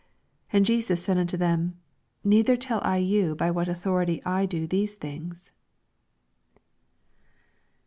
8 And Jesus said unto them. Neither tell I you by what authority I do these things.